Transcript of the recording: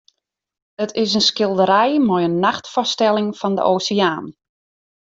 It is in skilderij mei in nachtfoarstelling fan de oseaan.